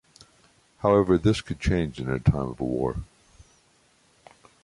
However this could change in a time of war.